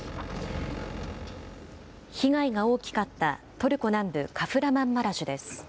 被害が大きかったトルコ南部カフラマンマラシュです。